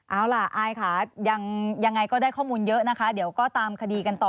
เอาล่ะอายค่ะยังไงก็ได้ข้อมูลเยอะนะคะเดี๋ยวก็ตามคดีกันต่อ